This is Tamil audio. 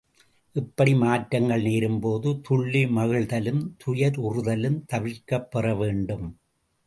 இப்படி மாற்றங்கள் நேரும்போது துள்ளி மகிழ்தலும் துயருறுதலும் தவிர்க்கப் பெறவேண்டும்.